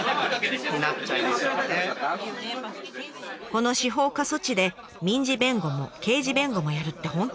この司法過疎地で民事弁護も刑事弁護もやるって本当に大変。